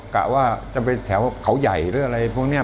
กะว่าจะไปแถวเขาใหญ่หรืออะไรพวกนี้